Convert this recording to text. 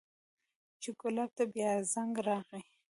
چې ګلاب ته بيا زنګ راغى.